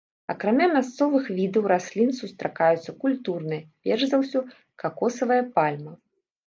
Акрамя мясцовых відаў раслін сустракаюцца культурныя, перш за ўсё какосавая пальма.